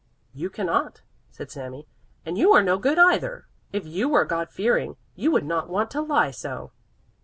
"You cannot," said Sami, "and you are no good either! If you were God fearing, you would not want to lie so."